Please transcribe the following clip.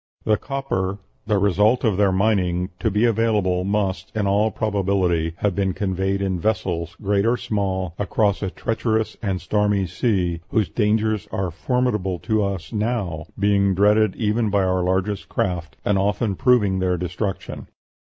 The copper, the result of their mining, to be available, must, in all probability, have been conveyed in vessels, great or small, across a treacherous and stormy sea, whose dangers are formidable to us now, being dreaded even by our largest craft, and often proving their destruction.